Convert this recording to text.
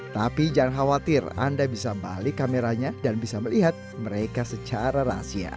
tapi jangan khawatir anda bisa balik kameranya dan bisa melihat mereka secara rahasia